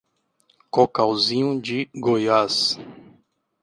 Cocalzinho de Goiás